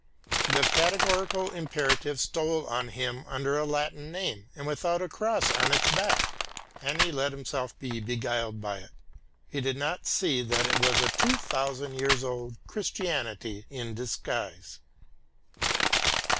The categorical imperative stole on him under a Latin name and without a cross on its back, and he let himself be beguiled by it. He did not see that it was a two thousand years old Christianity in disguise.